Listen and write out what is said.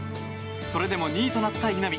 それでも２位となった稲見。